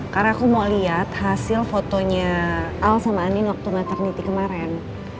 karena aku mau liat hasil fotonya al sama anin waktu maternity kemaren